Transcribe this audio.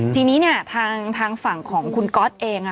ทีนี้เนี่ยทางฝั่งของคุณก๊อตเองค่ะ